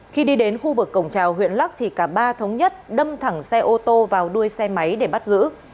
khi đi đến khu vực cổng trào huyện lắc thì cả ba thống nhất đâm thẳng xe ô tô vào đuôi xe máy để bắt giữ